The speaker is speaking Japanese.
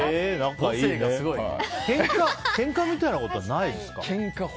けんかみたいなことはないですか？